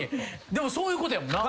でもそういうことやもんな？